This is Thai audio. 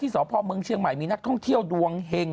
สพเมืองเชียงใหม่มีนักท่องเที่ยวดวงเห็ง